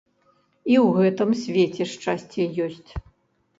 І ў гэтым свеце шчасце ёсць.